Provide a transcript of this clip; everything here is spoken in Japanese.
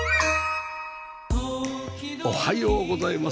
おはようございます。